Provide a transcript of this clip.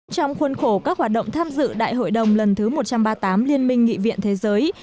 trong khuôn khổ các hoạt động tham dự đại hội đồng lần thứ một trăm ba mươi tám liên minh nghị viện thế giới